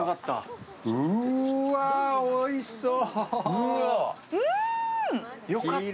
うわ、おいしそう。